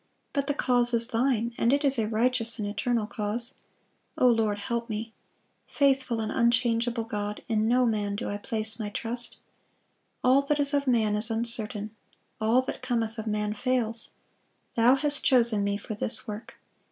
But the cause is Thine, ... and it is a righteous and eternal cause. O Lord, help me! Faithful and unchangeable God, in no man do I place my trust.... All that is of man is uncertain; all that cometh of man fails.... Thou hast chosen me for this work....